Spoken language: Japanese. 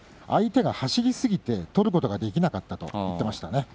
相手が走りすぎて取ることができなかったと言っていました。